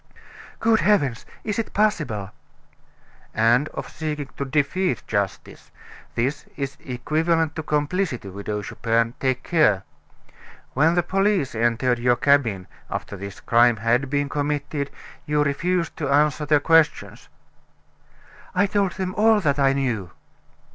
"Good heavens! Is it possible?" "And of seeking to defeat justice. This is equivalent to complicity, Widow Chupin; take care. When the police entered your cabin, after this crime had been committed, you refused to answer their questions." "I told them all that I knew."